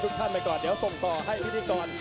กันต่อแพทย์จินดอร์